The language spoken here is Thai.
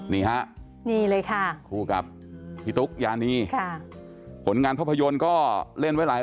นี่เลยค่ะคู่กับพี่ตุ๊กยานีผลงานพระยนต์ก็เล่นไว้หลาย